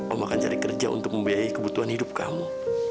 kamu akan cari kerja untuk membiayai kebutuhan hidup kamu